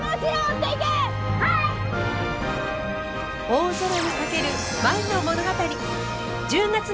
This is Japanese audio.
大空にかける舞の物語。